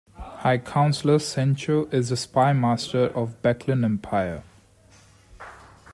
High Counsellor Sencho is the spymaster of the Beklan Empire.